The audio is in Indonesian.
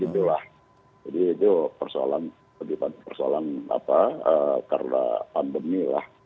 jadi itu persoalan karena pandemi